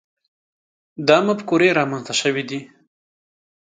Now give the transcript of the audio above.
دا مفکورې رامنځته شوي دي.